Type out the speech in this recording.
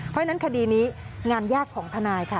เพราะฉะนั้นคดีนี้งานยากของทนายค่ะ